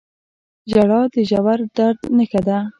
• ژړا د ژور درد نښه ده.